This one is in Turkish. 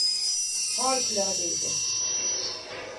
Harikuladeydi.